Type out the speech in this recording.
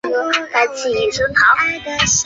该集团的领导层主要由之前流亡的学生担任。